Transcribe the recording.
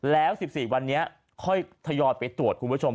แล้ว๑๔วันนี้ค่อยทยอยไปตรวจคุณผู้ชม